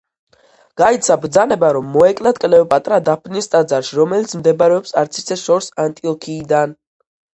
გაიცა ბრძანება რომ მოეკლათ კლეოპატრა დაფნის ტაძარში, რომელიც მდებარეობს არც ისე შორს ანტიოქიიდან.